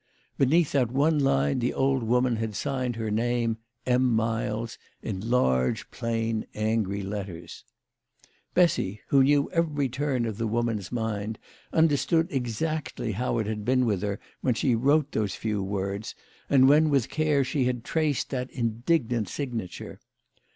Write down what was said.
Beneath that one line the old woman had signed her name, M. Miles, in large, plain angry letters. Bessy, who knew every turn of the woman's mind, understood exactly how it had been with her when she wrote those few words, and when, with care, she had traced that indignant signature.